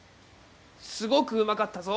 すごくうまかったぞ。